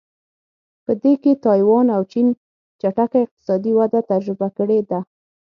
په دې کې تایوان او چین چټکه اقتصادي وده تجربه کړې ده.